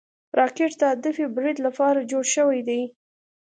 راکټ د هدفي برید لپاره جوړ شوی دی